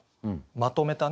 まとめたね。